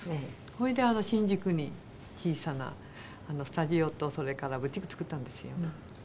それで新宿に小さなスタジオとそれからブティック作ったんですよ。